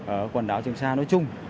ở quần đảo trường xa nói chung